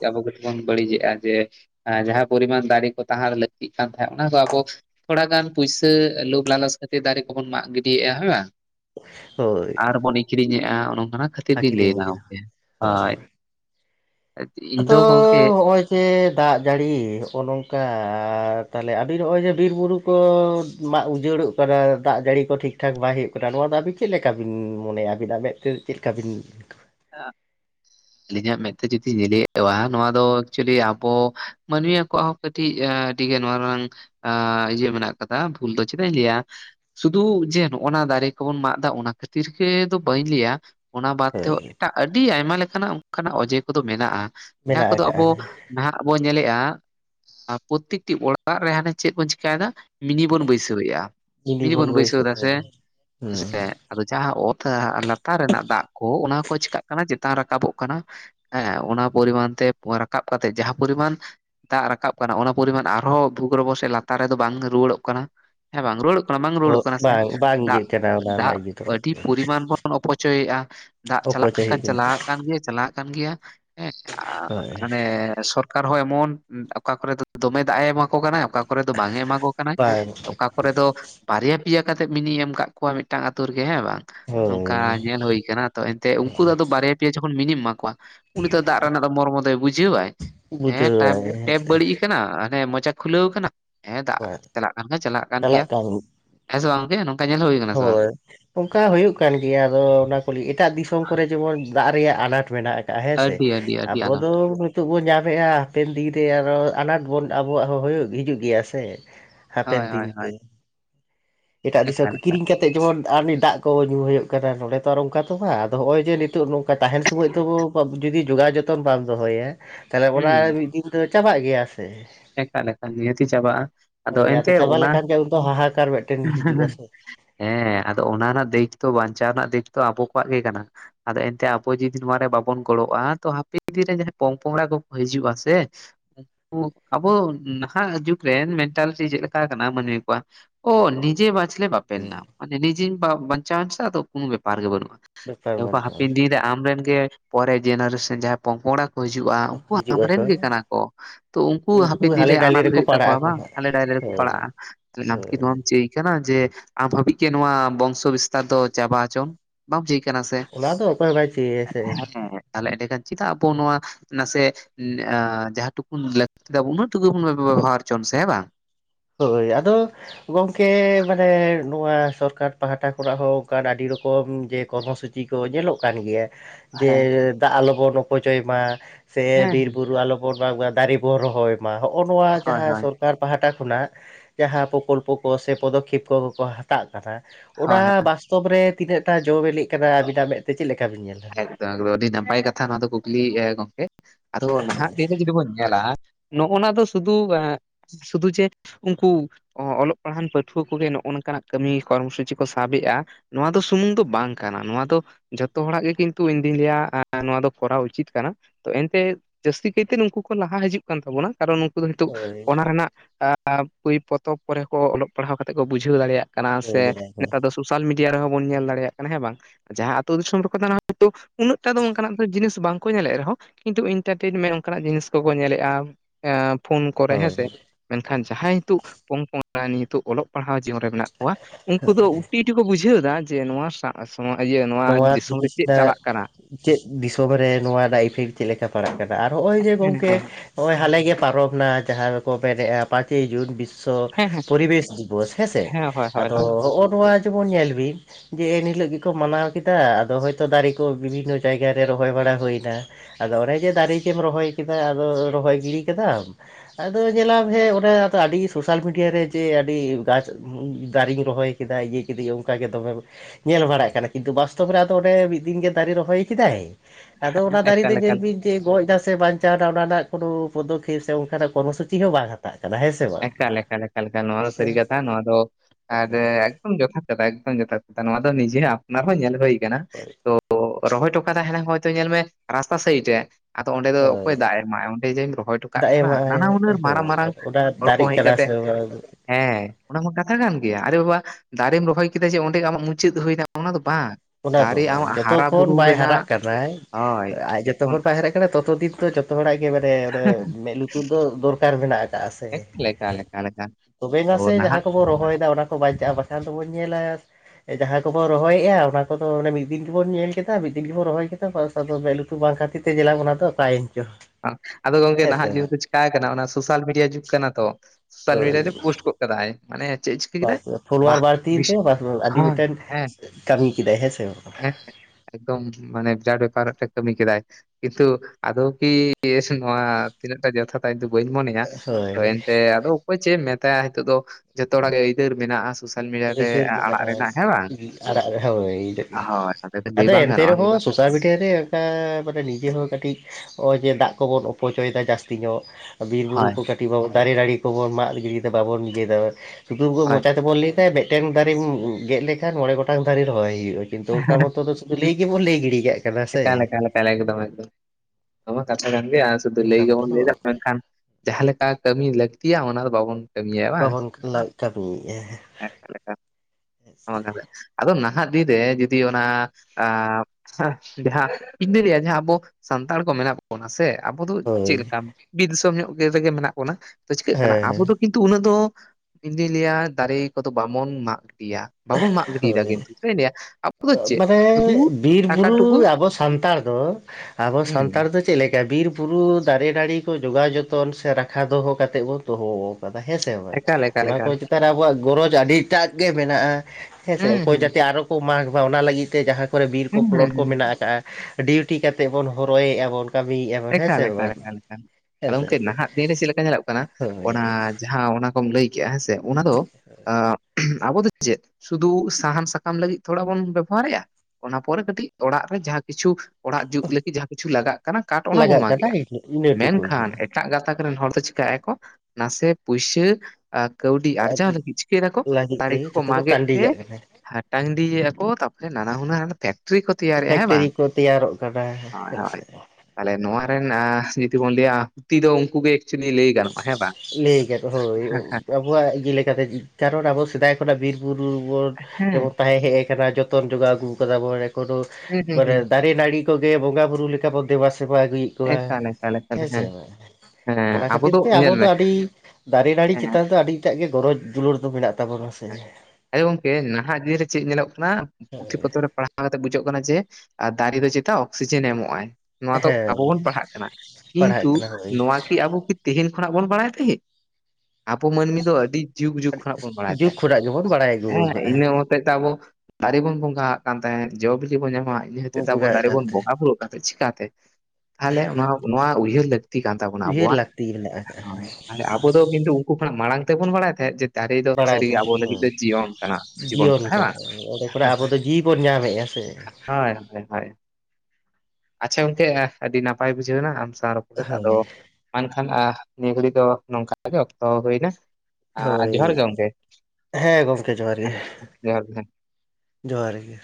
ᱟᱵᱚ ᱜᱮᱛᱵᱚᱱ ᱵᱟᱹᱲᱤᱡᱮᱜᱼᱟ ᱡᱮ ᱡᱟᱦᱟᱸ ᱯᱚᱨᱤᱢᱟᱱ ᱫᱟᱨᱮ ᱠᱚ ᱛᱟᱸᱦᱮ ᱞᱟᱹᱠ ᱠᱟᱱ ᱛᱟᱦᱮᱸᱫ ᱚᱱᱟ ᱫᱚ ᱟᱵᱚ ᱛᱷᱚᱲᱟ ᱜᱟᱱ ᱯᱩᱭᱥᱟᱹ ᱞᱳᱵᱷ ᱞᱟᱞᱪ ᱠᱷᱟᱹᱛᱤᱨ ᱫᱟᱨᱮ ᱠᱚᱵᱚᱱ ᱢᱟᱜ ᱜᱤᱰᱤᱭᱮᱫᱼᱟ ᱦᱟᱸ ᱦᱳᱭ ᱤᱨᱤᱧᱮᱫᱼᱟ ᱝᱠᱟᱱᱟᱜ ᱠᱷᱟᱹᱛᱤᱨ ᱜᱤᱧ ᱞᱟᱹᱭᱫᱟ ᱟᱹᱠᱷᱨᱤᱧ ᱜᱚᱢᱠᱮ ᱦᱳᱭ ᱤᱧ ᱫᱚ ᱛᱚ ᱜᱚᱝᱠᱮ ᱭ ᱥᱮ ᱫᱟᱜ ᱡᱟᱹᱲᱤ ᱦᱚᱜᱼᱚ ᱱᱚᱝᱠᱟ ᱛᱟᱦᱚᱞᱮ ᱟᱵᱤᱱ ᱱᱚᱜᱼᱚᱭ ᱡᱮ ᱵᱤᱨ ᱵᱩᱨᱩ ᱠᱚ ᱢᱟᱜ ᱩᱡᱟᱹᱲᱚᱜ ᱠᱟᱱᱟ ᱫᱟᱜ ᱡᱟᱹᱲᱤ ᱠᱚ ᱴᱷᱤᱠ ᱴᱷᱟᱠ ᱵᱟᱭ ᱦᱩᱭᱩᱜ ᱠᱟᱱᱟ ᱱᱚᱣᱟ ᱫᱟᱹᱵᱤ ᱪᱮᱫ ᱞᱮᱠᱟ ᱪᱮᱫ ᱞᱮᱠᱟ ᱵᱤᱱ ᱢᱚᱱᱮᱭᱟ ᱟᱵᱤᱱᱟᱜ ᱢᱮᱫ ᱛᱮ ᱪᱮᱫ ᱞᱮᱠᱟ ᱵᱤᱱ [UNINTELLIGIBLE] [INAUDIBLE] ᱟᱹᱞᱤᱧᱟᱜ ᱢᱮᱫ ᱛᱮ ᱡᱩᱫᱤ ᱞᱟ. ᱭᱚᱜᱼᱟ ᱵᱟᱝ ᱱᱚᱣᱟ ᱫᱚ ᱮᱠᱪᱩᱭᱮᱞᱤ ᱟᱵᱚ ᱢᱟᱹᱱᱢᱤ ᱠᱚᱣᱟᱜ ᱦᱚᱸ ᱠᱟᱹᱴᱤᱡ ᱟᱸᱰᱤ ᱜᱮ ᱱᱚᱣᱟ ᱨᱮᱱᱟᱝ ᱤᱭᱟᱹ ᱢᱮᱱᱟᱜ ᱟᱠᱟᱫᱟ ᱵᱷᱩᱞ ᱫᱚ ᱪᱮᱫᱟᱜ ᱤᱧ ᱞᱟᱹᱭᱟ ᱥᱩᱫᱷᱩ ᱡᱮ ᱱᱚᱜᱼᱚ ᱱᱚᱣᱟ ᱫᱟᱨᱮ ᱠᱚᱵᱚᱱ ᱢᱟᱜ ᱫᱟ ᱚᱱᱟ ᱠᱷᱟᱹᱛᱤᱨ ᱜᱮ ᱫᱚ ᱵᱟᱹᱧ ᱞᱮᱭᱟ ᱚᱱᱟ ᱵᱟᱫ ᱦᱳᱭ ᱛᱮᱦᱚᱸ ᱮᱴᱟᱜ ᱟᱹᱰᱤ ᱟᱭᱢᱟ ᱞᱮᱠᱟᱱᱟᱜ ᱚᱱᱠᱟᱱᱟᱜ ᱚᱡᱮ ᱠᱚᱫᱚ ᱢᱮᱱᱟᱜᱼᱟ ᱡᱟᱦᱟᱸ ᱢᱮᱱᱟᱜ ᱠᱚᱫᱚ ᱟᱵᱚ ᱟᱠᱟᱜᱼᱟ ᱱᱟᱦᱟᱜ ᱵᱚ ᱧᱮᱞᱮᱜᱼᱟ ᱟ ᱯᱨᱚᱛᱛᱮᱠᱴᱤ ᱚᱲᱟᱜ ᱨᱮ ᱦᱟᱱᱮ ᱪᱮᱫ ᱠᱚ ᱪᱤᱠᱟᱹᱭ ᱫᱟ ᱢᱤᱱᱤ ᱵᱚᱱ ᱵᱟᱹᱭᱥᱟᱹᱣᱮᱫᱼᱟ ᱡᱤᱱᱤ ᱢᱤᱞ ᱵᱚᱱ ᱵᱟᱹᱭᱥᱟ. ᱣ ᱵᱟᱹᱭᱥᱟᱹᱜ ᱫᱟᱥᱮ ᱥᱮ ᱦᱩᱸ ᱪᱮᱫ ᱟᱫᱚ ᱡᱟᱦᱟᱸ ᱚᱛ ᱞᱟᱛᱟᱨ ᱨᱮᱱᱟᱜ ᱫᱟᱜ ᱠᱚ ᱚᱱᱟ ᱠᱚ ᱪᱤᱠᱟᱜ ᱠᱟᱱᱟ ᱪᱮᱛᱟᱱ ᱨᱟᱠᱟᱵᱚᱜ ᱠᱟᱱᱟ ᱦᱮᱸ ᱚᱱᱟ ᱯᱚᱨᱤᱢᱟᱱ ᱛᱮ ᱨᱟᱠᱟᱵ ᱠᱟᱛᱮᱫ ᱡᱟᱦᱟᱸ ᱯᱚᱨᱤᱢᱟᱱ ᱫᱟᱜ ᱨᱟᱠᱟᱵ ᱠᱟᱱᱟ ᱚᱱᱟ ᱯᱚᱨᱤᱢᱟᱱ ᱟᱨᱦᱚᱸ ᱵᱷᱩᱜᱨᱚᱵᱚᱚ ᱥᱮ ᱞᱟᱛᱟᱨ ᱨᱮᱫᱚ ᱵᱟᱝ ᱨᱩᱣᱟᱹᱲᱚᱜ ᱠᱟᱱᱟ ᱦᱮᱸ ᱵᱟᱝ ᱨᱩᱣᱟᱹᱲᱚᱜ ᱠᱟᱱᱟ ᱵᱟᱝ ᱛᱚ ᱨᱩᱣᱟᱹᱲᱚᱜ ᱠᱟᱱᱟ ᱥᱮ ᱵᱟᱝ ᱵᱟᱝ ᱫᱟᱜ ᱤᱭᱟᱹᱜ ᱠᱟᱱᱟ ᱚᱱᱟ ᱫᱟᱜ ᱨᱮᱱᱟᱜ ᱤᱭᱟᱹ ᱫᱚ ᱟᱹᱰᱤ ᱯᱚᱨᱤᱢᱟᱱ ᱵᱚᱱ ᱚᱯᱚᱪᱚᱭᱮᱫᱼᱟ ᱫᱟᱜ ᱪᱟᱞᱟᱜ ᱠᱟᱱ ᱚᱯᱚᱪᱚᱭ ᱠᱷᱟᱱ ᱦᱩᱭᱩᱜ ᱠᱟᱱᱟ ᱪᱟᱞᱟᱟᱜ ᱠᱟᱱ ᱜᱮᱭᱟ ᱪᱟᱞᱟᱜ ᱠᱟᱱ ᱜᱮᱭᱟ ᱦᱮᱸ ᱦᱳᱭ ᱟᱱᱮ ᱥᱚᱨᱠᱟᱨ ᱦᱚᱸ ᱮᱢᱚᱱ ᱚᱠᱟ ᱠᱚᱨᱮ ᱫᱚ ᱫᱚᱢᱮ ᱫᱟᱜ ᱮ ᱮᱢᱟ ᱠᱚ ᱠᱟᱱᱟ ᱚᱠᱟ ᱠᱚᱨᱮ ᱫᱚ ᱵᱟᱝ ᱮ ᱮᱢᱟ ᱠᱚ ᱠᱟᱱᱟ ᱵᱟᱝ ᱚᱠᱟ ᱠᱚᱨᱮ ᱫᱚ ᱵᱟᱨᱭᱟ ᱯᱮᱭᱟ ᱠᱟᱛᱮᱫ ᱢᱤᱱᱤ ᱮᱢ ᱠᱟᱜ ᱠᱚᱣᱟ ᱢᱤᱫᱴᱟᱝ ᱟᱛᱳ ᱨᱮᱜᱮ ᱦᱮᱸ ᱵᱟᱝ ᱱᱚᱝᱠᱟ ᱦᱳᱭ ᱧᱮᱞ ᱦᱩᱭᱟᱠᱟᱱᱟ ᱛᱚ ᱮᱱᱛᱮ ᱩᱱᱠᱩ ᱫᱚ ᱟᱫᱚ ᱵᱟᱨᱭᱟ ᱯᱮᱭᱟ ᱡᱚᱠᱷᱚᱱ ᱢᱤᱱᱤᱢ ᱮᱢᱟ ᱠᱚᱣᱟ ᱩᱱᱤ ᱫᱚ ᱫᱟᱜ ᱨᱮᱱᱟᱜ ᱫᱚ ᱢᱚᱨᱢᱚ ᱫᱚᱭ ᱵᱩᱡᱷᱟᱹᱣᱟᱭ ᱦᱮᱸ ᱵᱩᱡᱷᱟᱹᱣᱟᱭ ᱴᱮᱯ ᱦᱮᱸᱥᱮ ᱵᱟᱹᱲᱤᱡ ᱠᱟᱱᱟ ᱦᱟᱱᱮ ᱢᱚᱪᱟ ᱠᱷᱩᱞᱟᱹᱣ ᱠᱟᱱᱟ ᱦᱮᱸ ᱫᱟᱜ ᱵᱟᱝ ᱪᱟᱞᱟᱜ ᱠᱟᱱ ᱠᱷᱟᱱ ᱪᱟᱞᱟᱜ ᱠᱟᱱ ᱜᱮᱭᱟ ᱦᱮᱸ ᱥᱮ ᱵᱟᱝ ᱜᱚᱝᱠᱮ ᱱᱚ ᱦᱳᱭ ᱚᱱᱠᱟ ᱦᱳᱭᱳᱜ ᱠᱟᱱ ᱜᱮᱭᱟ ᱟᱫᱚ ᱚᱱᱟ ᱠᱚᱞᱤ ᱮᱴᱟᱜ ᱫᱤᱥᱚᱢ ᱠᱚᱨᱮ ᱡᱮᱢᱚᱱ ᱫᱟᱜ ᱨᱮᱭᱟᱜ ᱟᱱᱟᱴ ᱢᱮᱱᱟᱜ ᱟᱠᱟᱫᱼᱟ ᱦᱮᱸ ᱥᱮ ᱟᱹᱰᱤ ᱟᱹᱰᱤ ᱟᱹᱰᱤ ᱟᱵᱚ ᱟᱱᱟᱴ ᱫᱚ ᱛᱳᱜ ᱵᱚᱱ ᱧᱟᱢᱮᱫᱼᱟ ᱦᱟᱯᱮᱱ ᱫᱤᱱ ᱨᱮ ᱟᱨᱚ ᱟᱱᱟᱴ ᱵᱚᱱ ᱟᱵᱚᱣᱟᱜ ᱦᱚᱸ ᱦᱩᱭᱩᱜ ᱦᱤᱡᱩᱜ ᱜᱮᱭᱟ ᱥᱮ ᱦᱟᱯᱮᱱ ᱦᱳᱭ ᱫᱤᱱ ᱦᱳᱭ ᱦᱳᱭ ᱛᱮ ᱮᱴᱟᱜ ᱫᱤᱥᱚᱢ ᱮᱠᱟᱞ ᱠᱚ ᱮᱠᱟᱞ ᱠᱤᱨᱤᱧ ᱠᱟ ᱠᱟᱛᱮᱫ ᱡᱮᱢᱚᱱ ᱟᱨ ᱫᱟᱜ ᱠᱚ ᱟ. ᱜᱩ ᱦᱳᱭᱳᱜ ᱠᱟᱱᱟ ᱱᱚᱰᱮ ᱛᱚ ᱟᱨ ᱱᱚᱝᱠᱟ ᱛᱚ ᱵᱟᱝ ᱟᱫᱚ ᱱᱚᱜᱼᱚᱭ ᱡᱮ ᱱᱤᱛᱚᱜ ᱱᱚᱝ ᱚᱱᱠᱟ ᱛᱟᱦᱮᱱ ᱥᱳᱚᱢᱚᱭ ᱫᱚ ᱡᱩᱫᱤ ᱡᱚᱜᱟᱣ ᱡᱚᱛᱚᱱ ᱵᱟᱢ ᱫᱚᱦᱚᱭᱟ ᱛᱟᱦᱚᱞᱮ ᱚᱱᱟ ᱢᱤᱫ ᱫᱤᱱ ᱛᱚ ᱪᱟᱵᱟᱜ ᱜᱮᱭᱟ ᱥᱮ ᱮᱠᱟᱜ ᱮᱠᱟᱞ ᱱᱤᱦᱟᱹᱛᱤ ᱪᱟᱵᱟᱜᱼᱟ ᱟᱫᱚ ᱦᱳᱭ ᱮᱱᱛᱮᱫ ᱪᱟᱵᱟ ᱚᱱᱟ ᱞᱮᱠᱷᱟᱱ ᱜᱮ ᱩᱱᱫᱚ ᱦᱟᱦᱟᱠᱟᱨ ᱢᱤᱫᱴᱮᱱ ᱦᱤᱡᱩᱜᱼᱟ [UNINTELLIGIBLE] ᱥᱮ ᱦᱮᱸ ᱟᱫᱚ ᱚᱱᱟ ᱨᱮᱱᱟᱜ ᱫᱟᱭᱤᱛᱛᱚ ᱵᱟᱧᱪᱟᱣ ᱨᱮᱱᱟᱜ ᱫᱟᱭᱤᱛᱛᱚ ᱟᱵᱚ ᱠᱚᱣᱟᱜ ᱜᱮ ᱠᱟᱱᱟ ᱟᱫᱚ ᱮᱱᱛᱮ ᱟᱵᱚ ᱡᱩᱚᱫᱤ ᱱᱚᱟᱨᱮ ᱵᱟᱵᱚᱱ ᱜᱚᱲᱚᱜᱼᱟ, ᱛᱚ ᱦᱟᱯᱮ ᱫᱤᱱ ᱨᱮ ᱡᱟᱦᱟᱸᱭ ᱯᱚᱝᱼ ᱯᱚᱝᱲᱟ ᱠᱚ ᱦᱤᱡᱩᱜᱼᱟ ᱥᱮ ᱟᱵᱚ ᱱᱟᱦᱟᱜ ᱡᱩᱜᱽᱨᱮ ᱢᱮᱱᱴᱟᱞᱤᱴᱤ ᱪᱮᱫᱞᱮᱠᱟ ᱠᱟᱱᱟ ᱢᱟᱹᱱᱢᱤ ᱠᱚᱣᱟᱜ ᱳ ᱱᱤᱡᱮ ᱵᱟᱪᱞᱮ ᱵᱟᱯᱮᱨ ᱱᱟᱢ ᱢᱟᱱᱮ ᱱᱤᱡᱮᱧ ᱵᱟᱧᱪᱟᱣᱮᱱ ᱥᱮ ᱟᱫᱚ ᱠᱳᱱᱳ ᱵᱮᱯᱟᱨ ᱜᱮ ᱵᱟᱹᱱᱩᱜᱼᱟ ᱵᱮᱯᱟᱨ ᱟᱫᱚ ᱵᱟᱹᱱᱩᱜᱼᱟ ᱦᱟᱯᱮᱱ ᱫᱤᱱ ᱨᱮ ᱟᱢᱨᱮᱱ ᱜᱮ ᱯᱚᱨᱮ ᱡᱮᱱᱟᱨᱮᱥᱚᱱ ᱡᱟᱦᱟᱸᱭ ᱯᱚᱝᱠᱚᱲᱟ ᱠᱚ ᱦᱤᱡᱩᱜᱼᱟ ᱩᱱᱠᱩ ᱦᱤᱡᱩᱜ ᱟᱢᱨᱮᱱ ᱟᱠᱚ ᱜᱮ ᱠᱟᱱᱟ ᱠᱚ ᱛᱚ ᱩᱱᱠᱩ ᱠᱩ ᱦᱟᱯᱮᱱ ᱫᱤᱱ ᱦᱟᱞᱮ ᱨᱮ ᱰᱟᱞᱮ ᱟᱱᱟᱴ ᱨᱮᱠᱚ ᱦᱩᱭᱩᱜ ᱛᱟᱠᱚᱣᱟ ᱯᱟᱲᱟᱜ ᱟᱠᱚ ᱵᱟᱝ ᱦᱟᱸᱜ ᱦᱟᱞᱮ ᱰᱟᱭᱞᱮ ᱨᱮᱠᱚ ᱦᱳᱭ ᱯᱟᱲᱟᱜᱼᱟ ᱛᱟᱦᱞᱮ ᱟᱢᱠᱤ ᱦᱳᱭ ᱱᱚᱣᱟᱢ ᱪᱟ. ᱭ ᱠᱟᱱᱟ ᱡᱮ ᱟᱢ ᱦᱟᱹᱵᱤᱡ ᱜᱮ ᱱᱚᱣᱟ ᱵᱚᱝᱥᱚ ᱵᱤᱥᱛᱟᱨ ᱫᱚ ᱪᱟᱵᱟ ᱦᱚᱪᱚᱝ ᱵᱟᱢ ᱪᱟᱹᱭ ᱠᱟᱱᱟ ᱥᱮ? ᱚᱱᱟ ᱫᱚ ᱚᱠᱚᱭ ᱦᱚᱸ ᱵᱟᱭ ᱪᱟᱹᱭᱟ ᱥᱮ ᱛᱟᱦᱞᱮ ᱮᱸᱰᱮᱠᱷᱟᱱ ᱪᱮᱫᱟᱜ ᱟᱵᱚ ᱱᱚᱣᱟ ᱱᱟᱥᱮ ᱮ ᱡᱟᱦᱟᱸ ᱴᱩᱠᱩᱱ ᱞᱟ. ᱠ ᱪᱮᱫᱟᱜ ᱩᱱᱟᱹᱜ ᱴᱩᱠᱩᱱ ᱵᱚᱱ ᱵᱮᱵᱚᱦᱟᱨ ᱪᱚᱱ ᱥᱮ ᱦᱮᱸ ᱵᱟᱝ ᱦᱳᱭ ᱟᱫᱚ ᱜᱚᱝᱠᱮ ᱢᱟᱱᱮ ᱱᱚᱣᱟ ᱥᱚᱨᱠᱟᱨ ᱯᱟᱦᱴᱟ ᱠᱷᱚᱱᱟᱜ ᱦᱚᱸ ᱚᱱᱠᱟᱱ ᱟᱹᱰᱤ ᱨᱚᱠᱚᱢ ᱡᱮ ᱠᱚᱨᱢᱚ ᱥᱩᱪᱤ ᱛᱤ ᱠᱚ ᱧᱮᱞᱚᱜ ᱠᱟᱱ ᱜᱮᱭᱟ ᱡᱮ ᱦᱮᱸ ᱫᱟᱜ ᱟᱞᱚᱵᱚᱱ ᱚᱯᱚᱪᱚᱭ ᱢᱟ ᱥᱮ ᱦᱮᱸ ᱵᱤᱨ ᱦᱮᱸ ᱵᱩᱨᱩ ᱟᱞᱚᱵᱚᱱ ᱢᱟᱜ ᱢᱟ ᱫᱟᱨᱮ ᱵᱚᱱ ᱨᱚᱦᱚᱭ ᱢᱟ ᱦᱚᱜᱼᱚ ᱱᱚᱣᱟ ᱦᱳᱭ ᱡᱟᱦᱟᱸ ᱦᱳᱭ ᱥᱚᱨᱠᱟᱨ ᱯᱟᱦᱴᱟ ᱚᱱᱟ ᱡᱟᱦᱟᱸ ᱯᱨᱚᱠᱚᱞᱯᱚ ᱠᱚ ᱥᱮ ᱯᱚᱫᱚᱠᱷᱮᱯ ᱠᱚ ᱠᱚ ᱦᱟᱛᱟᱜ ᱠᱟᱱᱟ ᱦᱳᱭ ᱚᱱᱟ ᱵᱟᱥ ᱼᱼ ᱛᱟᱯᱚᱨᱮ ᱛᱤᱱᱟᱹᱜ ᱴᱟ ᱡᱚ ᱵᱤᱞᱤᱜ ᱠᱟᱱᱟ ᱟᱵᱤᱱᱟᱜ ᱢᱮᱫ ᱛᱮ ᱪᱮᱫ ᱞᱮᱠᱟ ᱵᱤᱱ ᱧᱮᱞᱫᱟ ᱮᱠᱫᱚᱢ ᱮᱠᱫᱚᱢ ᱟᱹᱰᱤ ᱱᱟᱯᱟᱭ ᱠᱟᱛᱷᱟ ᱱᱚᱣᱟ ᱫᱚ ᱠᱩᱠᱞᱤ ᱮᱫ ᱟ ᱜᱚᱝᱠᱮ ᱟᱫᱚ ᱱᱟᱦᱟᱜ ᱫᱤᱱᱨᱮ ᱡᱩᱫᱤ ᱵᱚᱱ ᱧᱮᱞᱟ, ᱱᱚᱜᱼᱚ ᱱᱟ ᱫᱚ ᱥᱩᱫᱷᱩ, ᱥᱩᱫᱷᱩ ᱪᱮ ᱩᱱᱠᱩ ᱚᱞᱚᱜ ᱯᱟᱲᱦᱟᱣᱟᱱ ᱯᱟᱹᱴᱷᱩᱣᱟᱹ ᱠᱚᱜᱮ ᱱᱚᱜᱼᱚ ᱱᱚᱝᱠᱟᱱᱟᱜ ᱠᱟᱹᱢᱤ ᱠᱚᱨᱢᱚ ᱥᱩᱪᱤ ᱠᱚ ᱥᱟᱵ ᱮᱜᱼᱟ ᱱᱚᱣᱟ ᱫᱚ ᱥᱩᱢᱩᱝ ᱫᱚ ᱵᱟᱝ ᱠᱟᱱᱟ ᱱᱚᱣᱟ ᱫᱚ ᱡᱷᱚᱛᱚ ᱦᱚᱲᱟᱜ ᱜᱮ ᱠᱤᱱᱛᱩ ᱤᱧ ᱫᱩᱧ ᱞᱟᱹᱭᱟ ᱱᱚᱣᱟ ᱫᱚ ᱠᱚᱨᱟᱣ ᱩᱪᱤᱛ ᱠᱟᱱᱟ ᱛᱚ ᱮᱱᱛᱮ ᱡᱟᱹᱥᱛᱤ ᱠᱟᱹᱭᱛᱮ ᱱᱩᱠᱩ ᱠᱚ ᱞᱟᱦᱟ ᱦᱤᱡᱩᱜ ᱠᱟᱱ ᱛᱟᱵᱚᱱᱟ ᱠᱟᱨᱚᱱ ᱩ ᱩᱱᱠᱩ ᱫᱚ ᱱᱤᱛᱚᱜ ᱦᱳᱭ ᱚᱱᱟ ᱨᱮᱱᱟᱜ [UNINTELLIGIBLE] ᱯᱚᱛᱚᱵ ᱠᱚᱨᱮ ᱦᱚᱸᱠᱚ ᱚᱞᱚᱜ ᱯᱟᱲᱦᱟᱣ ᱠᱟᱛᱮᱫ ᱠᱚ ᱵᱩᱡᱷᱟᱹᱣ ᱫᱟᱲᱮᱭᱟᱜ ᱠᱟᱱᱟ ᱥᱮ ᱦᱳᱭ ᱱᱮᱛᱟᱨ ᱫᱚ ᱥᱳᱥᱟᱞ ᱢᱤᱰᱤᱭᱟ ᱨᱮᱦᱚᱸ ᱵᱚᱱ ᱧᱮᱞ ᱫᱟᱲᱮᱭᱟᱜ ᱠᱟᱱᱟ ᱦᱮᱸ ᱵᱟᱝ ᱡᱟᱦᱟᱸ ᱟᱹᱛᱩ ᱫᱤᱥᱚᱢ ᱨᱮ ᱠᱤᱱᱛᱩ ᱩᱱᱟᱹᱜ ᱴᱟ ᱫᱚ ᱚᱱᱠᱟᱱᱟᱜ ᱡᱤᱱᱤᱥ ᱵᱟᱝᱠᱚ ᱧᱮᱞᱮᱫ ᱨᱮᱦᱚᱸ ᱠᱤᱱᱛᱩ ᱤᱱᱴᱟᱨᱴᱮᱱᱢᱮᱱ ᱚᱱᱠᱟᱱᱟᱜ ᱡᱤᱱᱤᱥ ᱠᱚᱠᱚ ᱧᱮᱞᱮᱜᱼᱟ ᱯᱷᱳᱱ ᱠᱚᱨᱮ ᱦᱮᱸᱥᱮ ᱦᱳᱭ ᱢᱮᱱᱠᱷᱟᱱ ᱡᱟᱦᱟᱸᱭ ᱱᱤᱛᱚᱜ ᱯᱚᱝ ᱯᱚᱝᱲᱟ ᱱᱤᱛᱚᱜ ᱚᱞᱚᱜ ᱯᱟᱲᱦᱟᱣ ᱡᱤᱭᱚᱱ ᱨᱮ ᱢᱮᱱᱟᱜ ᱠᱚᱣᱟ ᱩᱱᱠᱩ ᱫᱚ ᱩᱴᱤ ᱩ [UNINTELLIGIBLE] ᱠᱚ ᱵᱩᱡᱷᱟᱹᱣ ᱮᱫᱟ ᱡᱮ ᱱᱚᱣᱟ ᱥᱟ ᱥᱚᱢ ᱤᱭᱟᱹ ᱱᱚᱣᱟ ᱫᱤᱥᱚᱢ ᱨᱮ ᱪᱮᱫ ᱪᱟᱞᱟᱜ ᱠᱟᱱᱟ ᱪᱮᱫ ᱫᱤᱥᱚᱢ ᱨᱮ ᱱᱚᱣᱟ ᱨᱮᱱᱟᱜ ᱤᱯᱷᱮᱠᱴ ᱪᱮᱫ ᱞᱮᱠᱟ ᱯᱟᱲᱟᱜ ᱠᱟᱱᱟ ᱟᱨ ᱱᱚᱜᱼᱚᱭ ᱡᱮ ᱦᱮᱸ ᱜᱚᱝᱠᱮ ᱦᱮᱸ ᱦᱚᱸᱚᱭ ᱦᱟᱞᱮ ᱜᱮ ᱯᱟᱨᱚᱢᱱᱟ ᱡᱟᱦᱟᱸ ᱫᱚᱠᱚ ᱢᱮᱱᱮᱜᱼᱟ ᱯᱟᱸᱪᱮᱭ ᱡᱩᱱ ᱵᱤᱥ ᱥᱚ ᱦᱮᱸ ᱯᱚᱨᱤᱵᱮᱥ ᱫᱤᱵᱚᱥ ᱦᱮᱸᱥᱮ ᱦᱮᱸ ᱦᱳᱭ ᱦᱳᱭ ᱟᱫᱚ ᱦᱳᱭ ᱦᱚᱸᱜᱼᱚ ᱱᱚᱣᱟ ᱡᱮᱢᱚᱱ ᱧᱮᱞ ᱵᱤᱱ ᱡᱮ ᱮᱱᱦᱤᱞᱳᱜ ᱜᱮᱠᱚ ᱢᱟᱱᱟᱣ ᱠᱮᱫᱟ ᱟᱫᱚ ᱦᱚᱭ ᱛᱚ ᱫᱟᱨᱮ ᱠᱚ ᱵᱤ ᱵᱷᱤᱱᱱᱚ ᱡᱟᱭᱜᱟ ᱨᱮ ᱨᱚᱦᱚᱭ ᱵᱟᱲᱟ ᱦᱩᱭᱱᱟ ᱟᱫᱚ ᱚᱱᱮ ᱡᱮ ᱫᱟᱨᱮ ᱜᱮᱢ ᱨᱚᱦᱚᱭ ᱠᱮᱫᱟ ᱟᱫᱚ ᱨᱚᱦᱚᱭ ᱜᱤᱰᱤ ᱠᱟᱫᱟᱢ ᱟᱫᱚ ᱧᱮᱞᱟᱢ ᱦᱮᱸ ᱚᱱᱟ ᱫᱚ ᱟᱹᱰᱤ ᱥᱳᱥᱟᱞ ᱢᱤᱰᱤᱭᱟ ᱨᱮ ᱡᱮ ᱟᱹᱰᱤ ᱜᱟᱪᱷ ᱫᱟᱨᱮᱧ ᱨᱚᱦᱚᱭ ᱠᱮᱫᱟ ᱤᱭᱟᱹ ᱠᱤᱫᱟᱹᱧ ᱚᱱᱠᱟ ᱜᱮ ᱫᱚᱢᱮ ᱧᱮᱞ ᱵᱟᱲᱟᱜ ᱠᱟᱱᱟ ᱠᱤᱱᱛᱩ ᱵᱟᱥᱛᱚᱵ ᱨᱮ ᱟᱫᱚ ᱚᱱᱮ ᱢᱤᱫ ᱫᱤᱱ ᱜᱮ ᱫᱟᱨᱮ ᱨᱚᱦᱚᱭ ᱠᱮᱫᱟᱭ ᱟᱫᱚ ᱚᱱᱟ ᱫᱟᱨᱮ ᱫᱚ ᱮᱠᱟᱞ ᱮᱠᱟᱞ ᱧᱮᱞ ᱵᱤᱱ ᱜᱚᱡ ᱱᱟ ᱥᱮ ᱵᱟᱧᱪᱟᱣ ᱮᱱᱟ ᱚᱱᱟ ᱨᱮᱱᱟᱜ ᱠᱳᱱᱳ ᱯᱚᱫᱚᱠᱷᱮᱯ ᱥᱮ ᱚᱱᱠᱟᱱᱟᱜ ᱠᱚᱨᱢᱚ ᱥᱩᱪᱤ ᱦᱚᱸ ᱵᱟᱝ ᱦᱟᱛᱟᱜ ᱠᱟᱱᱟ ᱦᱮᱸᱥᱮ ᱮᱠᱟᱞ ᱮᱠᱟᱞ ᱮᱠᱟᱞ ᱞᱮᱠᱟ ᱱᱚᱣᱟ ᱫᱚ ᱥᱟᱹᱨᱤ ᱠᱟᱛᱷᱟ ᱱᱚᱣᱟ ᱫᱚ ᱟᱨ ᱡᱚᱛᱷᱟᱛ ᱠᱟᱛᱷᱟ ᱮᱠᱫᱚᱢ ᱡᱚᱛᱷᱟᱛ ᱠᱟᱛᱷᱟ ᱱᱚᱣᱟ ᱫᱚ ᱱᱤᱡᱮ ᱟᱯᱱᱟᱨ ᱦᱚᱸ ᱧᱮᱞ ᱦᱩᱭ ᱠᱟᱱᱟ ᱦᱳᱭ ᱛᱚ ᱛᱚ ᱨᱚᱦᱚᱭ ᱦᱚᱴᱚ ᱠᱟᱫᱟᱭ ᱦᱟᱱᱮ ᱦᱚᱭᱛᱚ ᱧᱮᱞ ᱢᱮ ᱨᱟᱥᱛᱟ ᱥᱟᱭᱤᱰ ᱨᱮ ᱟᱫᱚ ᱚᱸᱰᱮ ᱫᱚ ᱦᱳᱭ ᱚᱠᱚᱭ ᱫᱟᱜ ᱮ ᱮᱢᱟᱜᱼᱟ ᱚᱸᱰᱮ ᱡᱮᱢ ᱨᱚᱦᱚᱭ ᱦᱚᱴᱚ ᱠᱟᱜ ᱫᱟᱜ ᱠᱟᱱᱟ ᱮᱢᱟᱜᱼᱟᱭ ᱱᱟᱱᱟ ᱦᱩᱱᱟᱹᱨ ᱢᱟᱨᱟᱝ ᱦᱳᱭ ᱢᱟᱨᱟᱝ ᱚᱱᱟ ᱦᱚᱲ ᱠᱚ ᱫᱟᱨᱮᱜ ᱦᱮᱡ ᱠᱟᱱᱟ ᱠᱟᱛᱮ ᱥᱮ ᱵᱟᱝ ᱦᱮᱸ ᱚᱱᱟ ᱢᱟ ᱠᱟᱛᱷᱟ ᱠᱟᱱ ᱜᱮᱭᱟ ᱟᱨᱮ ᱵᱟᱵᱟ ᱫᱟᱨᱮᱢ ᱨᱚᱦᱚᱭ ᱠᱮᱫᱟ ᱡᱮ ᱚᱸᱰᱮ ᱜᱮ ᱟᱢᱟᱜ ᱢᱩᱪᱟᱹᱫ ᱦᱩᱭᱱᱟ ᱚᱱᱟ ᱫᱚ ᱵᱟᱝ ᱚᱱᱟ ᱫᱚ ᱫᱟᱨᱮ ᱵᱟᱝ ᱟᱢᱟᱜ ᱡᱚᱛᱚ ᱦᱟᱨᱟ ᱠᱷᱚᱱ ᱵᱩᱨᱩ ᱵᱟᱭ ᱨᱮᱱᱟᱜ ᱦᱟᱨᱟᱜ ᱠᱟᱱᱟᱭ ᱦᱳᱭ ᱟᱡ ᱡᱚᱠᱷᱚᱱ ᱡᱚᱛᱚᱠᱷᱚᱱ ᱵᱟᱭ ᱦᱟᱨᱟᱜ ᱠᱟᱱᱟ ᱛᱚᱛᱚ ᱫᱤᱠ ᱫᱚ ᱡᱚᱛᱚ ᱦᱚᱲᱟᱜ ᱜᱮ ᱢᱟᱱᱮ ᱚᱱᱮ ᱢᱮᱸᱫ ᱞᱩᱛᱩᱨ ᱫᱚ ᱫᱚᱨᱠᱟᱨ ᱢᱮᱱᱟᱜ ᱠᱟᱫᱟ ᱪᱮᱫᱟᱜ ᱥᱮ ᱮᱠᱟᱞ ᱮᱠᱟᱞ ᱮᱠᱟᱞ ᱮᱠᱟᱞ [INAUDIBLE] ᱛᱚᱵᱮ ᱟᱫᱚ ᱱᱟᱥᱮ ᱱᱟᱦᱟᱜ ᱡᱟᱦᱟᱸ ᱠᱚᱵᱚ ᱨᱚᱦᱚᱭᱫᱟ ᱚᱱᱟ ᱠᱚ ᱵᱟᱧᱪᱟᱜᱼᱟ ᱵᱟᱠᱷᱟᱱ ᱫᱚᱵᱚᱱ ᱧᱮᱞᱟ ᱡᱟᱦᱟᱸ ᱠᱚᱵᱚᱱ ᱨᱚᱦᱚᱭᱮᱜᱼᱟ ᱚᱱᱟ ᱟᱵᱚ ᱫᱚ ᱚᱱᱮ ᱢᱤᱫ ᱫᱤᱱ ᱜᱮᱵᱚᱱ ᱧᱮᱞ ᱠᱮᱫᱟ ᱢᱤᱫ ᱫᱤᱱ ᱜᱮᱵᱚᱱ ᱨᱚᱦᱚᱭ ᱠᱮᱫᱟ ᱵᱟᱥ ᱟᱫᱚ ᱢᱮᱫ ᱞᱩᱛᱩᱨ ᱵᱟᱝ ᱠᱷᱟᱹᱛᱤᱨ ᱛᱮ ᱧᱮᱞᱟᱢ ᱚᱱᱟ ᱫᱚ ᱚᱠᱟᱭᱮᱱᱪᱚ ᱟᱫᱚ ᱜᱚᱝᱠᱮ ᱱᱟᱦᱟᱜ ᱡᱩᱜᱽ ᱫᱚ ᱪᱮᱠᱟ ᱠᱟᱱᱟ ᱚᱱᱟ ᱥᱳᱥᱟᱞ ᱢᱤᱰᱤᱭᱟ ᱡᱩᱜᱽ ᱠᱟᱱᱟ ᱛᱚ ᱥᱳᱥᱟᱞ ᱦᱳᱭ ᱢᱤᱰᱤᱭᱟ ᱨᱮ ᱯᱳᱥᱴ ᱜᱚᱫ ᱠᱟᱫᱟᱭ ᱢᱟᱱᱮ ᱪᱮᱫ ᱪᱤᱠᱟᱹ ᱠᱮᱫᱟᱭ ᱵᱟᱥ ᱵᱟ ᱯᱷᱚᱞᱣᱟᱨ ᱵᱟᱹᱲᱛᱤ ᱮᱱ ᱵᱤᱥ ᱛᱟᱭᱟ ᱟᱹᱰᱤ ᱢᱤᱫ ᱦᱳᱭ ᱴᱮᱱ ᱦᱮᱸ ᱠᱟᱹᱢᱤ ᱠᱮᱫᱟᱭ ᱦᱮᱸᱥᱮ ᱦᱮᱸ ᱮᱠᱫᱚᱢ ᱢᱟᱱᱮ ᱵᱤᱨᱟᱴ ᱵᱮᱯᱟᱨ ᱢᱤᱫ ᱴᱟᱝ ᱠᱟᱹᱢᱤ ᱠᱮᱫᱟᱭ ᱠᱤᱱᱛᱩ ᱟᱫᱚ ᱠᱤ [INAUDIBLE] ᱱᱚᱣᱟ ᱛᱤᱱᱟᱹᱜ ᱴᱟᱜ ᱡᱚᱛᱷᱟᱛ ᱟ ᱤᱧ ᱫᱚ ᱵᱟᱹᱧ ᱢᱚᱱᱮᱭᱟ ᱛᱚ ᱦᱳᱭ ᱮᱱᱛᱮ ᱟᱫᱚ ᱚᱠᱚᱭ ᱪᱮᱫ ᱮᱢ ᱢᱮᱛᱟᱭᱟ ᱱᱤᱛᱚᱜ ᱫᱚ ᱡᱚᱛᱚ ᱦᱚᱲᱟᱜ ᱜᱮ ᱟᱹᱭᱫᱟᱹᱨ ᱢᱮᱱᱟᱜᱼᱟ ᱢᱤᱰᱤᱭᱟ ᱨᱮ ᱟᱹᱭᱫᱟᱹᱨ ᱟᱲᱟᱜ ᱢᱮᱱᱟᱜᱼᱟ ᱨᱮᱱᱟᱜ ᱦᱮᱸ ᱵᱟᱝ ᱟᱨᱟᱜ ᱨᱮᱦᱚᱸᱭ ᱤᱱᱟᱹᱜ ᱜᱮ ᱦᱳᱭ ᱞᱟᱹᱭ ᱟᱫᱚ ᱵᱟᱝ ᱮᱱᱛᱮ ᱜᱟᱱᱚᱜᱼᱟ ᱨᱮᱦᱚᱸ ᱥᱚᱥᱟᱞ ᱢᱤᱰᱤᱭᱟ ᱨᱮ ᱚᱱᱠᱟ ᱢᱟᱱᱮ ᱱᱤᱡᱮ ᱦᱚᱸ ᱠᱟᱹᱴᱤᱡ ᱱᱚᱜᱼᱚᱭ ᱡᱮ ᱫᱟᱜ ᱠᱚᱵᱚᱱ ᱚᱯᱚᱪᱚᱭ ᱮᱫᱟ ᱡᱟᱹᱥᱛᱤ ᱧᱚᱜ ᱵᱤᱨ ᱵᱩᱨᱩ ᱦᱳᱭ ᱠᱚ ᱠᱟᱹᱴᱤᱡ ᱫᱟᱨᱮ ᱱᱟᱹᱲᱤ ᱠᱚᱵᱚᱱ ᱢᱟᱜ ᱜᱤᱰᱤᱭ ᱮᱫᱟ ᱵᱟᱵᱚᱱ ᱤᱭᱟᱹᱭᱮᱫᱟ ᱥᱩᱫᱩ ᱜᱮ ᱦᱳᱭ ᱢᱚᱪᱟ ᱛᱮᱵᱚᱱ ᱞᱟᱹᱭ ᱛᱮ ᱢᱤᱫᱴᱮᱱ ᱫᱟᱨᱮᱢ ᱜᱮᱫ ᱞᱮᱠᱷᱟᱱ ᱢᱚᱬᱮ ᱜᱚᱴᱟᱝ ᱫᱟᱨᱮ ᱨᱚᱦᱚᱭ ᱦᱩᱭᱩᱜᱼᱟ ᱠᱤᱱᱛᱩ ᱚᱱᱠᱟ ᱢᱚᱛᱚ ᱫᱚ ᱥᱩᱫᱩ ᱞᱟᱹᱭ ᱜᱮᱵᱚᱱ ᱞᱟᱹᱭ ᱜᱤᱲᱤ ᱠᱟᱜᱼᱟ ᱮᱠᱟᱞ ᱮᱠᱟᱞ ᱮᱠᱫᱚᱢ ᱮᱠᱫᱚᱢ ᱱᱚᱣᱟ ᱢᱟ ᱠᱟᱛᱷᱟ ᱠᱟᱱ ᱜᱮ ᱟᱨ ᱥᱩᱫᱷᱩ ᱚᱱᱠᱟ ᱞᱟᱹᱭ ᱢᱚᱛᱚ ᱜᱮᱵᱩᱱ ᱫᱚ ᱞᱟᱹᱭ ᱫᱟ ᱵᱟᱵᱚᱱ ᱢᱮᱱᱠᱷᱟᱱ ᱡᱟᱦᱟᱸ ᱞᱮᱠᱟ ᱠᱟᱹᱢᱤ ᱞᱟᱹᱠᱛᱤᱭᱟ ᱚᱱᱟ ᱫᱚ ᱵᱟᱵᱚᱱ ᱠᱟᱹᱢᱤᱭᱟ ᱵᱟᱝ ᱵᱟᱵᱚᱱ ᱠᱟᱹᱢᱤᱭᱮᱫᱼᱟ ᱞᱮᱠᱟ [UNINTELLIGIBLE] ᱟᱫᱚ ᱱᱟᱦᱟᱜ ᱫᱤᱱ ᱨᱮ ᱡᱩᱫᱤ ᱚᱱᱟ ᱡᱟᱦᱟᱸ ᱤᱧ ᱫᱩᱧ ᱞᱟᱹᱭᱼᱟ ᱡᱟᱦᱟᱸ ᱟᱵᱚ ᱥᱟᱱᱛᱟᱲ ᱠᱚ ᱢᱮᱱᱟᱜ ᱵᱚᱱᱟ ᱥᱮ ᱟᱵᱚ ᱫᱚ ᱪᱮᱫ ᱦᱳᱭ ᱞᱮᱠᱟ ᱵᱤᱨ ᱫᱤᱥᱚᱢ ᱧᱚᱜ ᱨᱮᱜᱮ ᱢᱮᱱᱟᱜ ᱵᱚᱱᱟ ᱛᱚ ᱪᱤᱠᱟᱹᱜ ᱠᱟᱱᱟ ᱦᱮᱸ ᱟᱵᱚ ᱫᱚ ᱠᱤᱱᱛᱩ ᱩᱱᱟᱹᱜ ᱫᱚ ᱤᱧ ᱫᱩᱧ ᱞᱟᱹᱭᱟ ᱫᱟᱨᱮ ᱠᱚᱫᱚ ᱵᱟᱵᱚᱱ ᱢᱟᱜ ᱜᱤᱰᱤᱭᱟ ᱵᱟᱵᱚᱱ ᱢᱟᱜ ᱜᱤᱰᱤᱭᱫᱟ ᱦᱳᱭ ᱠᱤᱱᱛᱩ ᱪᱮᱫ ᱤᱧ ᱞᱟᱹᱭ ᱟᱵᱚ ᱫᱚ ᱪᱮᱫ ᱢᱟᱱᱮ ᱥᱩᱫᱩ ᱵᱤᱨ ᱵᱩᱨᱩ ᱟᱵᱚ ᱥᱟᱱᱛᱟᱲ ᱫᱚ ᱟᱵᱚ ᱦᱩᱸ ᱥᱟᱱᱛᱟᱲ ᱫᱚ ᱪᱮᱫ ᱞᱮᱠᱟ ᱵᱤᱨ ᱵᱩᱨᱩ ᱫᱟᱨᱮ ᱱᱟᱹᱲᱤ ᱠᱩ ᱡᱚᱜᱟᱣ ᱡᱚᱛᱚᱱ ᱥᱮ ᱨᱟᱠᱷᱟ ᱫᱚᱦᱚ ᱠᱟᱛᱮᱜ ᱵᱩᱱ ᱫᱚᱦᱚ ᱦᱮᱸ ᱥᱮ ᱵᱟᱝ ᱮᱠᱟᱞ ᱮᱠᱟᱞ ᱚᱱᱟ ᱠᱚ ᱮᱠᱟᱞ ᱪᱮᱛᱟᱱ ᱨᱮ ᱟᱵᱩᱣᱟᱜ ᱜᱚᱨᱚᱡᱽ ᱟᱹᱰᱤᱴᱟᱜ ᱜᱮ ᱢᱮᱱᱟᱜ-ᱟ᱾ ᱦᱮᱸ ᱥᱮ ᱦᱩᱸ ᱚᱠᱚᱭ ᱦᱩᱸ ᱡᱟᱛᱮ ᱟᱨᱚ ᱠᱚ ᱢᱟᱜᱽ ᱢᱟ ᱚᱱᱟ ᱞᱟᱹᱜᱤᱫ ᱛᱮ ᱡᱟᱦᱟᱸ ᱠᱚᱨᱮ ᱵᱤᱨ ᱠᱚ ᱦᱩᱸ ᱦᱩᱸ ᱯᱚᱞᱚᱴ ᱠᱚ ᱦᱩᱸ ᱢᱮᱱᱟᱜ ᱟᱠᱟᱜ-ᱟ᱾ ᱰᱤᱣᱴᱤ ᱠᱟᱛᱮᱜ ᱵᱚᱱ ᱦᱚᱨᱚᱭᱮᱜ-ᱟ ᱵᱚᱱ᱾ ᱠᱟᱹᱢᱤᱭᱮᱫᱼᱟ ᱵᱚᱱ ᱦᱮᱸ ᱮᱠᱟᱞ ᱥᱮ ᱮᱠᱟᱞ ᱵᱟᱝ ᱮᱠᱟᱞ ᱮᱠᱟᱞ ᱦᱮᱸ ᱟᱫᱚ ᱥᱮ ᱜᱚᱢᱠᱮ ᱱᱟᱦᱟᱜ ᱫᱤᱱᱨᱮ ᱪᱤᱫ ᱞᱮᱠᱟ ᱧᱮᱞᱚᱜ ᱠᱟᱱᱟ ᱚᱱᱟ ᱦᱳᱭ ᱡᱟᱦᱟᱸ ᱚᱱᱟ ᱠᱚᱢ ᱞᱟᱹᱭ ᱠᱮᱜ-ᱟ ᱦᱮᱸᱥᱮ ᱚᱱᱟ ᱫᱚ ᱟᱸ ᱟᱵᱚ ᱫᱚ ᱪᱮᱫ? ᱥᱩᱫᱷᱩ ᱥᱟᱦᱟᱱ ᱥᱟᱠᱟᱢ ᱞᱟᱹᱜᱤᱫ ᱛᱷᱚᱲᱟ ᱵᱚᱱ ᱵᱮᱵᱚᱦᱟᱨᱮᱜ-ᱟ? ᱚᱱᱟ ᱯᱚᱨᱮ ᱠᱟᱹᱴᱤᱡ ᱚᱲᱟᱜ ᱨᱮ ᱡᱟᱦᱟᱸ ᱠᱤᱪᱷᱩ, ᱚᱲᱟᱜ ᱡᱩᱛ ᱞᱟᱹᱜᱤᱫ ᱡᱟᱦᱟᱸ ᱠᱤᱪᱷᱩ ᱞᱟᱜᱟᱜ ᱠᱟᱱᱟ᱾ ᱠᱟᱴ ᱚᱱᱟ ᱵᱚᱱ ᱞᱟᱜᱟᱜ ᱢᱟᱜ ᱠᱟᱱᱟ ᱮᱜ-ᱟ᱾ ᱤᱱᱟᱹ ᱴᱩᱠᱩ ᱜᱮ ᱢᱮᱱᱠᱷᱟᱱ ᱮᱴᱟᱜ ᱜᱟᱛᱟᱠ ᱨᱮᱱ ᱦᱚᱲ ᱫᱚ ᱪᱤᱠᱟᱭᱮᱜ-ᱟ ᱠᱚ ᱱᱟᱥᱮ ᱯᱩᱭᱥᱟᱹ ᱠᱟᱹᱣᱰᱤ ᱟᱨ ᱟᱨᱡᱟᱣ ᱞᱟᱹᱜᱤᱫ ᱪᱤᱠᱟᱹᱭ ᱫᱟᱠᱚ ᱞᱟᱹᱜᱤᱫ ᱫᱟᱨᱮ ᱛᱮᱜᱮ ᱠᱚᱠᱚ ᱡᱚᱛᱚ ᱠᱚ ᱢᱟᱜᱮᱫ ᱴᱟᱺᱰᱤ ᱛᱮ ᱠᱟᱜ ᱠᱟᱱᱟ ᱦᱟᱴᱟᱝ ᱤᱫᱤᱭᱮᱜ-ᱟ ᱠᱩ ᱛᱟᱯᱚᱨᱮ ᱱᱟᱱᱟ ᱦᱩᱱᱟᱹᱨ ᱯᱷᱮᱠᱴᱨᱤ ᱠᱚ ᱛᱮᱭᱟᱨᱮᱜ-ᱟ ᱦᱮᱸ ᱯᱷᱮᱠᱴᱨᱤ ᱵᱟᱝ? ᱠᱚ ᱛᱮᱭᱟᱨᱚᱜ ᱠᱟᱰᱟᱭ ᱦᱮᱸ ᱦᱳᱭ ᱦᱮᱡ ᱦᱳᱭ ᱥᱮᱫ ᱦᱚᱸ ᱛᱟᱦᱚᱞᱮ ᱱᱚᱣᱟ ᱨᱮᱱ [UNINTELLIGIBLE] ᱵᱚᱱ ᱞᱟᱹᱭᱟ ᱦᱩᱛᱤ ᱫᱚ ᱩᱱᱠᱩ ᱜᱮ ᱪᱤᱞᱤ ᱞᱟᱹᱭ ᱜᱟᱱᱚᱜ-ᱟ᱾ ᱦᱮᱸ ᱵᱟᱝ ᱞᱟᱹᱭ ᱠᱟᱫᱟ ᱦᱳᱭ ᱦᱟᱸ ᱦᱟᱸ ᱟᱵᱚᱣᱟᱜ ᱤᱭᱟᱹ ᱞᱮᱠᱟᱛᱮ ᱠᱟᱨᱚᱱ ᱟᱵᱚ ᱥᱮᱫᱟᱭ ᱠᱷᱚᱱᱟᱜ ᱵᱤᱨ ᱵᱩᱨᱩ ᱦᱮᱸ ᱨᱮᱵᱚᱱ ᱛᱟᱦᱮᱱ ᱦᱮᱡ ᱟᱠᱟᱱᱟ ᱡᱚᱛᱚ ᱡᱚᱛᱚᱱ ᱡᱚᱜᱟᱣ ᱟᱹᱜᱩ ᱟᱠᱟᱫᱟ ᱵᱚᱱ ᱠᱳᱱᱳ ᱦᱩᱸ ᱦᱩᱸ ᱢᱟᱱᱮ ᱦᱩᱸ ᱫᱟᱨᱤ ᱱᱟᱹᱲᱤ ᱛᱚᱜᱮ ᱵᱚᱸᱜᱟ ᱵᱩᱨᱩ ᱞᱮᱠᱟᱵᱚᱱ ᱫᱮᱵᱟ ᱥᱮᱵᱟ ᱟᱹᱜᱩᱭᱮᱫ ᱠᱚᱣᱟ ᱮᱠᱟᱞ ᱮᱠᱟᱞ ᱮᱠᱟᱞ ᱦᱮᱸ ᱥᱮ ᱵᱟᱝ ᱦᱮᱸ ᱚᱱᱟ ᱠᱷᱟᱹᱛᱤᱨ ᱛᱮ ᱟᱵᱚ ᱧᱮᱞ ᱢᱮ ᱫᱚ ᱟᱹᱰᱤ ᱫᱟᱨᱮ ᱱᱟᱹᱲᱤ ᱦᱮᱸ ᱪᱮᱛᱟᱱ ᱫᱚ ᱟᱹᱰᱤᱴᱟᱜ ᱜᱮ ᱜᱚᱨᱚᱡᱽ ᱫᱩᱞᱟᱹᱲ ᱫᱚ ᱢᱮᱱᱟᱜ ᱛᱟᱵᱚᱱᱟ ᱥᱮ ᱟᱭᱚ ᱜᱚᱝᱠᱮ ᱱᱟᱦᱟᱜ ᱫᱤᱱ ᱨᱮ ᱪᱮᱫ ᱧᱮᱞᱚᱜ ᱠᱟᱱᱟ ᱯᱩᱛᱷᱤ ᱯᱚᱛᱚᱵ ᱨᱮ ᱯᱟᱲᱦᱟᱜ ᱚᱱᱟ ᱠᱟᱛᱮ ᱵᱩᱡᱷᱟᱹᱜ ᱠᱟᱱᱟ ᱡᱮ ᱫᱟᱨᱮ ᱫᱚ ᱪᱮᱛᱟ ᱚᱠᱥᱤᱡᱮᱱᱮ ᱮᱢᱚᱜ-ᱟᱭ᱾ ᱱᱚᱣᱟ ᱫᱚ ᱦᱮᱸ ᱟᱵᱩ ᱵᱩᱱ ᱯᱟᱲᱦᱟᱜ ᱠᱟᱱᱟ ᱯᱟᱲᱦᱟᱜ ᱠᱤᱱᱛᱩ ᱠᱟᱱᱟ ᱦᱳᱭ ᱱᱩᱣᱟ ᱠᱤ ᱟᱵᱩ ᱠᱤ ᱛᱤᱦᱤᱧ ᱠᱷᱚᱱᱟᱜ ᱵᱩᱱ ᱵᱟᱲᱟᱭ ᱛᱤᱦᱤᱜ, ᱟᱵᱩ ᱢᱟᱹᱱᱢᱤ ᱫᱚ ᱟᱹᱰᱤ ᱡᱩᱜᱽ ᱡᱩᱜᱽ ᱠᱷᱚᱱᱟᱜ ᱵᱩᱱ ᱵᱟᱲᱟᱭ᱾ ᱡᱩᱜᱽ ᱛᱟᱦᱮᱸᱫ ᱠᱷᱚᱱᱟᱜ ᱜᱮᱵᱩᱱ ᱵᱟᱲᱟᱭ᱾ ᱟᱹᱜᱩ ᱦᱮᱸ ᱟᱠᱟᱜᱼᱟ ᱤᱱᱟᱹ ᱦᱚᱛᱮᱜ ᱛᱮ ᱟᱵᱩ ᱫᱟᱨᱤ ᱵᱩᱱ ᱵᱚᱸᱜᱟ ᱟᱜ ᱠᱟᱱ ᱛᱟᱦᱮᱸᱫ ᱡᱚ-ᱵᱤᱞᱤ ᱵᱩᱱ ᱧᱟᱢᱟ᱾ ᱱᱤᱭᱟᱹ ᱦᱚᱛᱮᱛᱮ ᱟᱵᱩ ᱵᱚᱸᱜᱟᱜ ᱫᱟᱨᱮ ᱵᱩᱱ ᱠᱟᱱᱛᱮ ᱵᱚᱸᱜᱟ ᱵᱩᱨᱩᱜ ᱠᱟᱱᱛᱟᱦᱮᱸ ᱪᱤᱠᱟᱛᱮ ᱛᱟᱦᱚᱞᱮ [UNINTELLIGIBLE] ᱱᱚᱣᱟ ᱩᱭᱦᱟᱹᱨ ᱞᱟᱹᱜ ᱛᱤ ᱠᱟᱱ ᱛᱟᱵᱩᱱᱟ ᱩᱭᱦᱟᱹᱨ ᱟᱵᱩᱣᱟᱜ, ᱞᱟᱹᱠᱛᱤ ᱢᱮᱱᱟᱜᱼᱟ ᱦᱳᱭ ᱛᱟᱦᱚᱞᱮ ᱟᱵᱩ ᱫᱚ ᱠᱤᱱᱛᱩ ᱩᱱᱠᱩ ᱠᱷᱚᱱ ᱢᱟᱲᱟᱝ ᱛᱮᱵᱩᱱ ᱵᱟᱲᱟᱭ ᱛᱟᱦᱮᱸᱫ ᱡᱮ ᱫᱟᱨᱮ [UNINTELLIGIBLE] ᱵᱟᱲᱟᱭ ᱥᱟᱹᱨᱤ ᱜᱮ ᱟᱵᱩ ᱛᱟᱦᱮᱸᱫ ᱞᱟᱹᱜᱤᱫ ᱦᱳᱭ ᱫᱚ ᱡᱤᱭᱚᱱ ᱠᱟᱱᱟ ᱡᱤᱵᱚᱱ ᱡᱤᱭᱚᱱ ᱠᱟᱱᱟ ᱦᱮᱸ ᱵᱟᱝ? ᱚᱸᱰᱮ ᱠᱷᱚᱱᱟᱜ ᱟᱵᱚ ᱫᱚ ᱡᱤᱣᱤ ᱵᱚᱱ ᱧᱟᱢᱮᱫᱼᱟ ᱥᱮ ᱦᱟᱭ ᱦᱟᱭ ᱦᱟᱭ, ᱟᱪᱪᱷᱟ ᱜᱚᱝᱠᱮ ᱟᱹᱰᱤ ᱱᱟᱯᱟᱭ ᱵᱩᱡᱷᱟᱹᱣ ᱮᱱᱟ ᱟᱢ ᱥᱟᱶ ᱨᱚᱯᱚᱲ ᱠᱟᱛᱮ ᱟᱫᱚ ᱦᱳᱭ ᱢᱟ ᱮᱱᱠᱷᱟᱱ ᱟ ᱱᱤᱭᱟᱹ ᱜᱷᱟᱹᱲᱤᱡ ᱫᱚ ᱱᱚᱝᱠᱟ ᱜᱮ ᱚᱠᱛᱚ ᱦᱩᱭᱱᱟ, ᱟᱨ ᱡᱚᱦᱟᱨ ᱜᱮ ᱦᱳᱭ ᱜᱚᱝᱠᱮ᱾ ᱦᱮᱸ ᱜᱚᱢᱠᱮ ᱡᱚᱦᱟᱨ ᱜᱮ ᱡᱚᱦᱟᱨ ᱜᱮ ᱡᱚᱦᱟᱨ ᱜᱮ